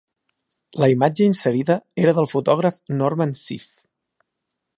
La imatge inserida era del fotògraf Norman Seeff.